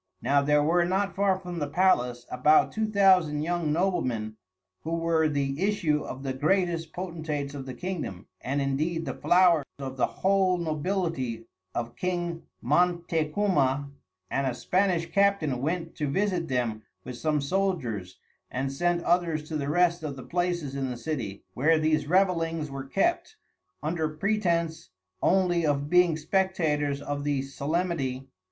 Now there were not far from the Palace about 2000 Young Noblemen who were the issue of the greatest Potentates of the Kingom, and indeed the flower of the whole Nobility of King Motencuma, and a Spanish Captain went to visit them with some Soldiers, and sent others to the rest of the places in the City where these Revellings were kept, under pretence only of being spectators of the solemnity.